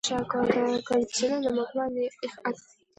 Тощая городовая конница не могла их одолеть.